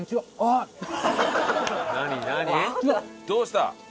どうした？